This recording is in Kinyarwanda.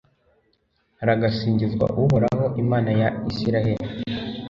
haragasingizwa uhoraho, imana ya israheli